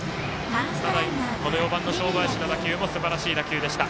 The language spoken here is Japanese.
４番の正林の打球もすばらしい打球でした。